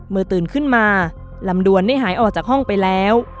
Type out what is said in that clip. ตื่นขึ้นมาลำดวนได้หายออกจากห้องไปแล้ว